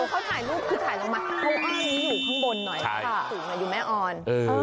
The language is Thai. เขาถ่ายรูปคือถ่ายลงมาเขาอ้างนี้อยู่ข้างบนหน่อยความสูงอยู่แม่อ่อน